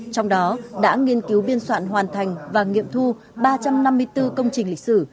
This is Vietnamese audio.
trong đó đã nghiên cứu biên soạn hoàn thành và nghiệm thu ba trăm năm mươi bốn công trình lịch sử